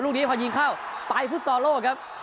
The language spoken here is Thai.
ลูกนี้พอยิงเข้าไปฟุตซอลโลกครับ